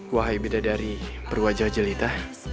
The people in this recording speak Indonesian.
wahai bidadari berwajah jelita